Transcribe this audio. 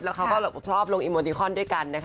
แล้วเขาก็ชอบลงอีโมติคอนด้วยกันนะคะ